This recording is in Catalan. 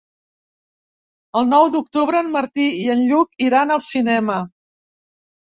El nou d'octubre en Martí i en Lluc iran al cinema.